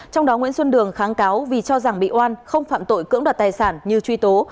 trong đó nguyễn xuân đường kháng cáo vì cho rằng bị oan không phạm tội cưỡng đoạt tài sản như truy tố